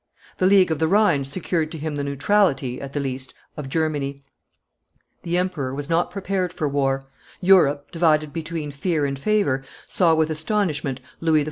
The league of the Rhine secured to him the neutrality, at the least, of Germany; the emperor was not prepared for war; Europe, divided between fear and favor, saw with astonishment Louis XIV.